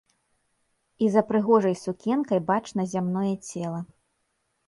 І за прыгожай сукенкай бачна зямное цела.